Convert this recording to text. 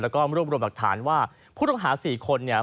แล้วก็รวบรวมหลักฐานว่าผู้ต้องหา๔คนเนี่ย